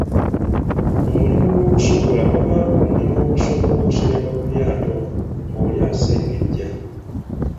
Mu mulimu gw’okusogola wabaawo omwenge ogusooka okusenebwa ku lyato ng’oli asengejja.